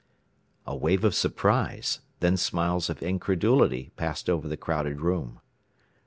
A wave of surprise, then smiles of incredulity passed over the crowded room.